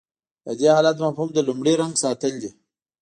د دې حالت مفهوم د لومړي رنګ ساتل دي.